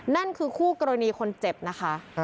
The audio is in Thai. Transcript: นั่นคือคู่กรณีคนเจ็บนะคะ